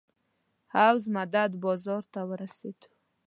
حوض مدد بازار ته ورسېدو.